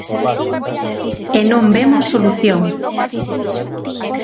E non vemos solución.